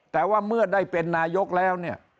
แต่ว่าเมื่อได้เป็นนายกแล้วเนี่ย